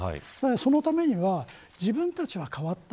そのためには自分たちは変わった。